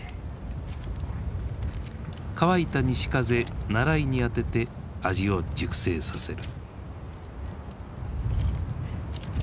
乾いた西風ナライにあてて味を熟成させる。